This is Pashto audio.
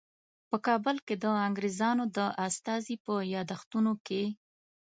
په کابل کې د انګریزانو د استازي په یادښتونو کې.